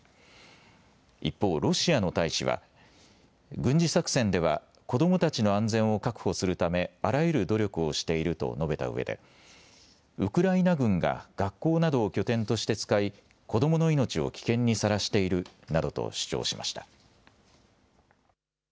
一方、ロシアの大使は軍事作戦では子どもたちの安全を確保するためあらゆる努力をしていると述べたうえでウクライナ軍が学校などを拠点として使い、子どもの命を危険にさらしているなどと主張しました。